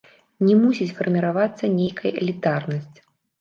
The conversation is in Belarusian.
Не мусіць фарміравацца нейкая элітарнасць.